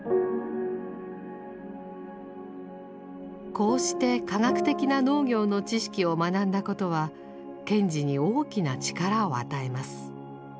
こうして科学的な農業の知識を学んだことは賢治に大きな力を与えます。